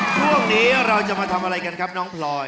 ช่วงนี้เราจะมาทำอะไรกันครับน้องพลอย